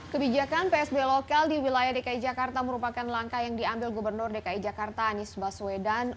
kebijakan psb lokal di wilayah dki jakarta merupakan langkah yang diambil gubernur dki jakarta anies baswedan